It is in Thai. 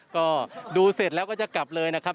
ก็ดูเสร็จแล้วก็จะกลับเลยนะครับ